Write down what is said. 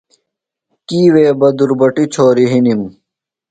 کی وے بہ دُربٹیۡ چھوریۡ ہِنِم۔